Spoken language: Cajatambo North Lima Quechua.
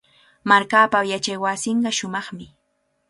Markaapa yachaywasinqa shumaqmi.